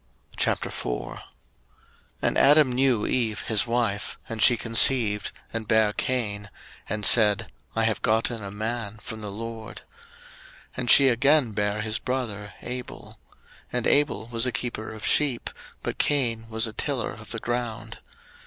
01:004:001 And Adam knew Eve his wife; and she conceived, and bare Cain, and said, I have gotten a man from the LORD. 01:004:002 And she again bare his brother Abel. And Abel was a keeper of sheep, but Cain was a tiller of the ground.